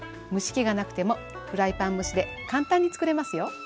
蒸し器がなくてもフライパン蒸しで簡単につくれますよ。